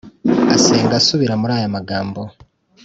asenga asubira muri ya magambo